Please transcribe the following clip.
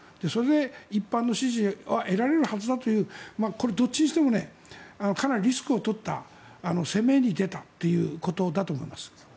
一般の支持は得られるはずだというどっちにしてもリスクを取った攻めに出たということだと思います。